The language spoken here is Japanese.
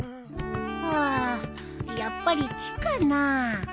はあやっぱり木かなあ？